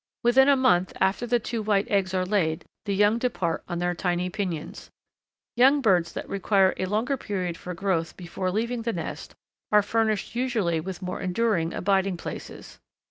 Within a month after the two white eggs are laid the young depart on their tiny pinions. Young birds that require a longer period for growth before leaving the nest are furnished usually with more enduring abiding places.